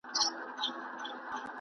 هر څه پوله لري.